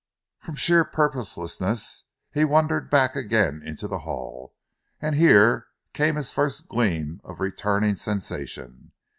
From sheer purposelessness he wandered back again into the hall, and here came his first gleam of returning sensation.